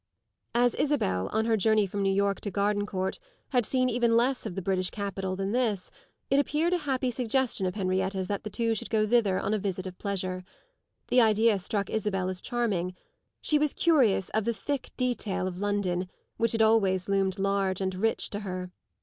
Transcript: As Isabel, on her journey from New York to Gardencourt, had seen even less of the British capital than this, it appeared a happy suggestion of Henrietta's that the two should go thither on a visit of pleasure. The idea struck Isabel as charming; she was curious of the thick detail of London, which had always loomed large and rich to her.